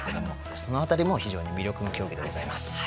そのあたりも非常に魅力の競技でございます。